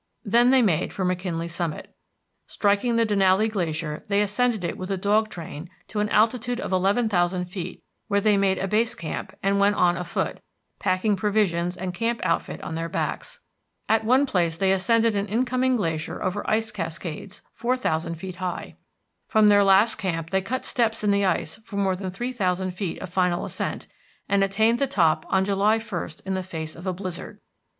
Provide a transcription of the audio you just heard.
Then they made for McKinley summit. Striking the Denali Glacier, they ascended it with a dog train to an altitude of eleven thousand feet, where they made a base camp and went on afoot, packing provisions and camp outfit on their backs. At one place they ascended an incoming glacier over ice cascades, four thousand feet high. From their last camp they cut steps in the ice for more than three thousand feet of final ascent, and attained the top on July 1 in the face of a blizzard.